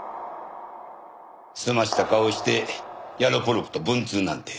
澄ました顔してヤロポロクと文通なんて。